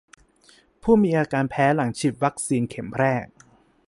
ผู้มีอาการแพ้หลังฉีดวัคซีนเข็มแรก